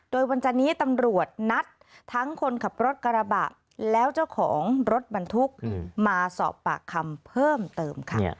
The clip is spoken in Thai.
โดยวันจันนี้ตำรวจนัดทั้งคนขับรถกระบะแล้วเจ้าของรถบรรทุกมาสอบปากคำเพิ่มเติมค่ะ